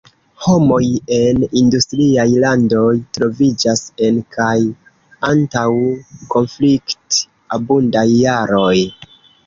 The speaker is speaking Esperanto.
Homoj en industriaj landoj troviĝas en kaj antaŭ konflikt-abundaj jaroj.